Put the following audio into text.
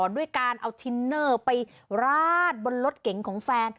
ด้วยการเอาทินเนอร์ไปราดบนรถเก๋งของแฟน